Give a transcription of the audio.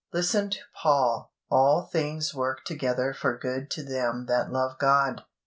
Listen to Paul: "All things work together for good to them that love God."